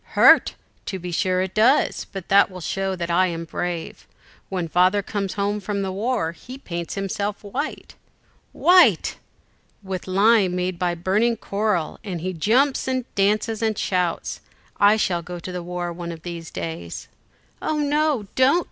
"Hurt! to be sure it does, but that will show that I am brave. When Father comes home from the war, he paints himself white." "White!" "With lime made by burning coral, and he jumps and dances and shouts: I shall go to the war one of these days." "Oh no, don't!"